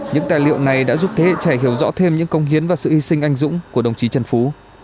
những tài liệu này đã giúp thế hệ trẻ hiểu rõ thêm những công hiến và sự hy sinh anh dũng của đồng chí trần phú